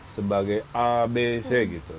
sebagai abc gitu